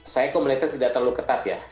saya kondisi tidak terlalu ketat ya